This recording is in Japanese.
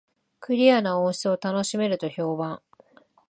クリアな音質を楽しめると評判